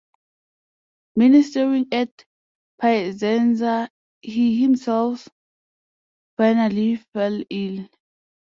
Ministering at Piacenza he himself finally fell ill.